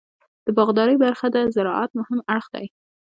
د باغدارۍ برخه د زراعت مهم اړخ دی.